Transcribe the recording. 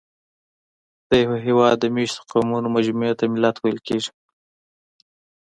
د یوه هېواد د مېشتو قومونو مجموعې ته ملت ویل کېږي.